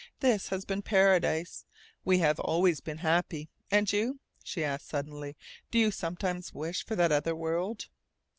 This has been paradise. We have always been happy. And you?" she asked suddenly. "Do you sometimes wish for that other world?"